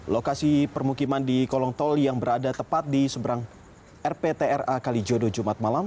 lokasi permukiman di kolong tol yang berada tepat di seberang rptra kalijodo jumat malam